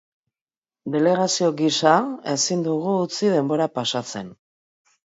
Delegazio gisa ezin dugu utzi denbora pasatzen.